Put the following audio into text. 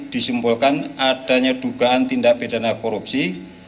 disimpulkan adanya dugaan tindak pidana korupsi